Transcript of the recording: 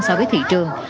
so với thị trường